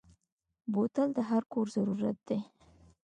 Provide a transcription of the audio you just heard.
بوتل د هر کور ضرورت دی.